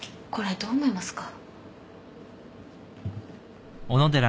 これどう思いますか？